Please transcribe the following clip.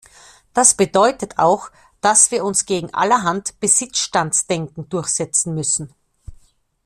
Das bedeutet auch, dass wir uns gegen allerhand Besitzstandsdenken durchsetzen müssen.